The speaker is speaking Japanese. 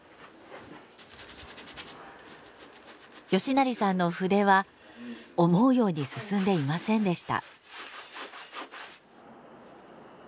嘉成さんの筆は思うように進んでいませんでした。